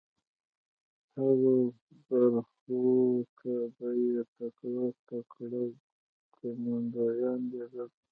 هغو برخو ته به یې تکړه تکړه کمانډویان لېږل